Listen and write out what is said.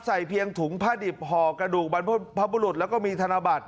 ใส่เพียงถุงผ้าดิบห่อกระดูกบรรพบุรุษแล้วก็มีธนบัตร